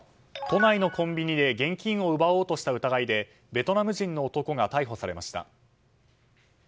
都内のコンビニで現金を奪おうとした疑いでベトナム人の男が逮捕されました。